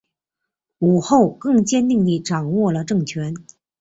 武后更坚定地掌握了政权。